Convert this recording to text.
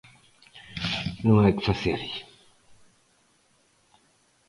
Non hai que facerlle.